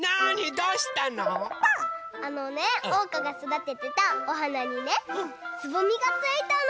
あのねおうかがそだててたおはなにねつぼみがついたの！